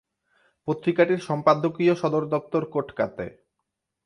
পত্রিকাটির সম্পাদকীয় সদর দপ্তর কোটকাতে।